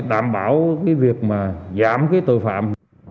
đảm bảo cái việc mà giảm cái tội phạm